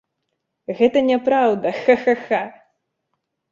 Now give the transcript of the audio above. Гэта не праўда, ха-ха-ха!